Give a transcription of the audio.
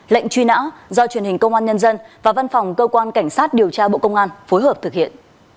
lệnh truy nã do truyền hình công an nhân dân và văn phòng cơ quan cảnh sát điều tra bộ công an phối hợp thực hiện